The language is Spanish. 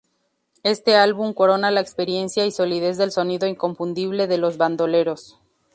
Este álbum corona la experiencia y solidez del sonido inconfundible de Los Bandoleros.